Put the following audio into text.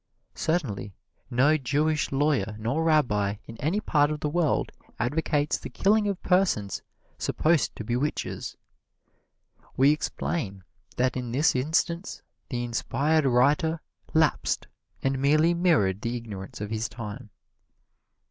Certainly no Jewish lawyer nor Rabbi, in any part of the world, advocates the killing of persons supposed to be witches. We explain that in this instance the inspired writer lapsed and merely mirrored the ignorance of his time.